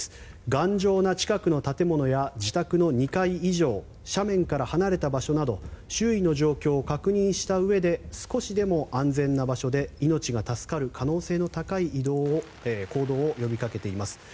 頑丈な近くの建物や自宅の２階以上斜面から離れた場所など周囲の状況を確認したうえで少しでも安全な場所で命が助かる可能性の高い行動を呼びかけています。